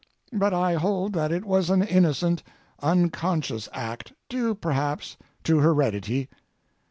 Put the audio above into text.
But I hold that it was an innocent, unconscious act, due, perhaps, to heredity.